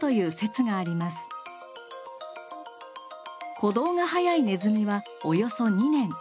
鼓動が速いネズミはおよそ２年。